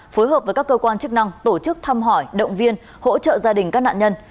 phối hợp với các cơ quan chức năng tổ chức thăm hỏi động viên hỗ trợ gia đình các nạn nhân